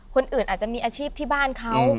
คนอื่นอาจจะมีอาชีพที่บ้านเขา